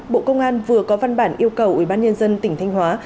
bộ công an vừa có văn bản yêu cầu ủy ban nhân dân tỉnh thanh hóa